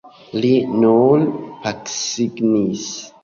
Li nur kapsignis.